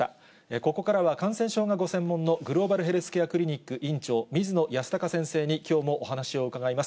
ここからは感染症がご専門のグローバルヘルスケアクリニック院長、水野泰孝先生に、きょうもお話を伺います。